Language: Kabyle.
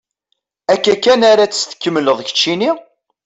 Akka kan ara tt-tkemmleḍ keččini?